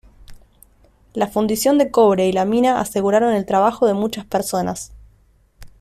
La fundición de cobre y la mina aseguraron el trabajo de muchas personas.